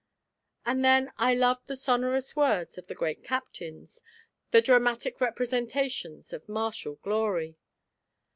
And then I loved the sonorous words of the great captains, the dramatic representations of martial glory.